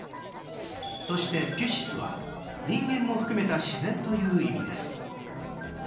そしてピュシスは人間も含めた自然という意味です。